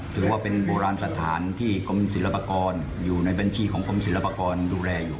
ถือว่าเป็นโบราณสถานที่กรมศิลปากรอยู่ในบัญชีของกรมศิลปากรดูแลอยู่